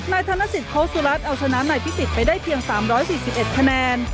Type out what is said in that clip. ธนสิทธสุรัตน์เอาชนะนายพิสิทธิ์ไปได้เพียง๓๔๑คะแนน